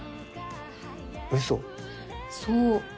そう。